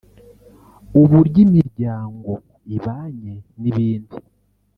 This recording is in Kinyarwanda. uburyo imiryango ibanye n’ibindi